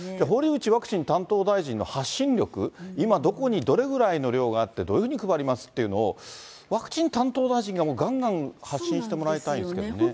堀内ワクチン担当大臣の発信力、今、どこにどれぐらいの量があって、どういうふうに配りますっていうのを、ワクチン担当大臣ががんがん発信してもらいたいですけどね。